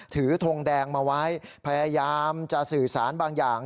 ทงแดงมาไว้พยายามจะสื่อสารบางอย่าง